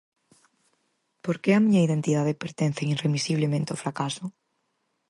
Por que "a miña identidade pertence irremisiblemente ao fracaso"?